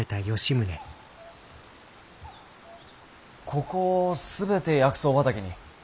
ここを全て薬草畑に。